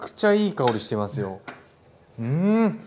うん！